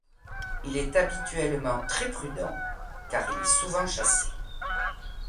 Il est habituellement très prudent, car il est souvent chassé.